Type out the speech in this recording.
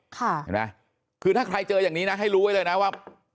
เห็นไหมคือถ้าใครเจออย่างนี้นะให้รู้ไว้เลยนะว่า